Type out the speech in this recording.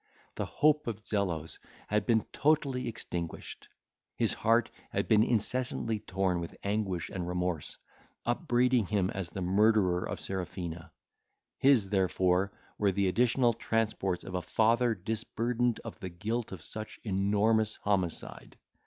The hope of Zelos had been totally extinguished. His heart had been incessantly torn with anguish and remorse, upbraiding him as the murderer of Serafina. His, therefore, were the additional transports of a father disburdened of the guilt of such enormous homicide.